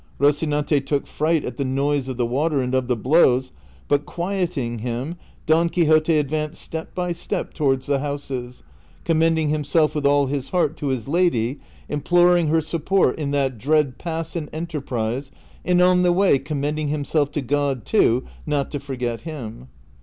Rocinante took fright at the noise of the water and of the blows, but quieting him Don Quixote advanced step by step towards the houses, commend ing himself with all his heart to his lady, imploring her sup port in that dread pass and enterprise, and on the way commending himself to God, too, not to forget him.